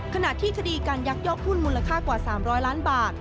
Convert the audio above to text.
ขณะที่คดีการยักยอกหุ้นมูลค่ากว่า๓๐๐ล้านบาท